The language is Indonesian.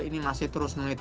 ini masih terus menghilang